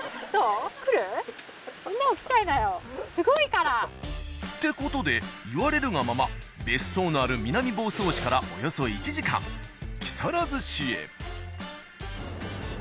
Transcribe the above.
すごいから！って事で言われるがまま別荘のある南房総市からおよそ１時間木更津市へ。